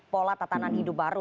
pola tatanan hidup baru